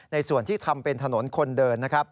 ในส่วนที่ทำเป็นถนนคนเดิน